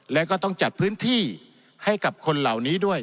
แล้วก็ต้องจัดพื้นที่ให้กับคนเหล่านี้ด้วย